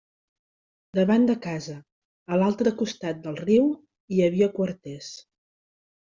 Davant de casa, a l'altre costat de riu, hi havia quarters.